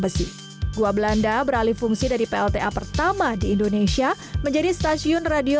besi gua belanda beralih fungsi dari plta pertama di indonesia menjadi stasiun radio